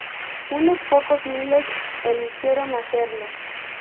Unos pocos miles eligieron hacerlo.